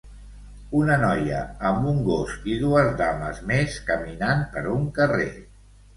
Una noia amb un gos i dues dames més caminant per un carrer.